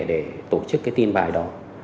để tổ chức cái tin bài đó